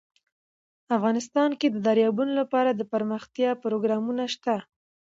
افغانستان کې د دریابونه لپاره دپرمختیا پروګرامونه شته.